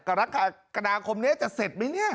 กรณาคมเนี่ยจะเสร็จมั้ยเนี่ย